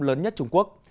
lớn nhất trung quốc